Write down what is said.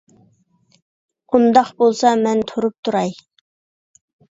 ئۇنداق بولسا مەن تۇرۇپ تۇراي.